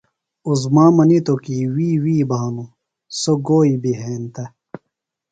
عظمیٰ منِیتوۡ کی وی وی بھانُوۡ، سوۡ گوئی بیۡ ہنتہ۔